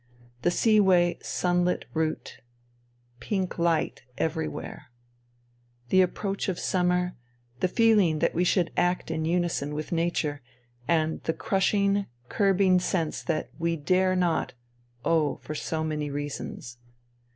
The seaway sunlit route. Pink light everywhere. The approach of summer, the feeling that we should act in unison with nature, and the crushing, curbing sense that we dare not — oh ! for so many reasons.